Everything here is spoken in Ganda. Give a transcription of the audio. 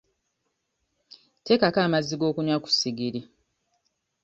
Teekako amazzi g'okunywa ku ssigiri.